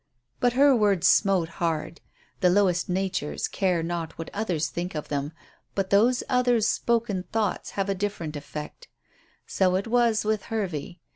But her words smote hard. The lowest natures care not what others think of them, but those others' spoken thoughts have a different effect. So it was with Hervey.